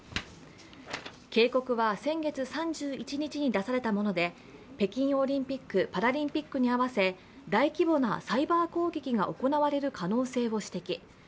警告は先月３１日に出されたもので北京オリンピック・パラリンピックに合わせ、大規模なサイバー攻撃が行われる可能性を指摘。